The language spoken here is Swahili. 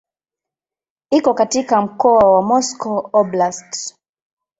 Iko katika mkoa wa Moscow Oblast.